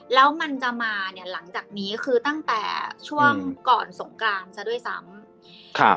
แล้วจะมาหลังจากนี้คือตั้งแต่ช่วงก่อนสงกราณด้วยซ้ำ